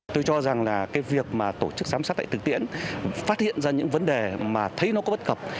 tôi cho rằng là cái việc mà tổ chức giám sát tại thực tiễn phát hiện ra những vấn đề mà thấy nó có bất cập